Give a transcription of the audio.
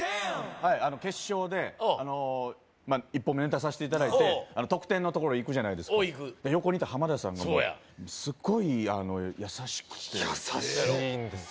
決勝で１本目に出させていただいて得点の所行くじゃないですかおお行く横にいた浜田さんがもうすっごいいい優しくて優しいんですよ